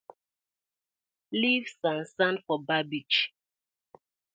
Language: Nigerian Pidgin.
Leave sand sand for bar beach.